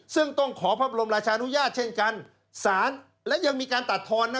ซึ่งต้องขอพระบรมราชานุญาตเช่นกันสารและยังมีการตัดทอนนะ